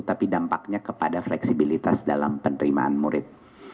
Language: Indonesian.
tapi dampaknya kepada fleksibilitas dalam penerimaan murid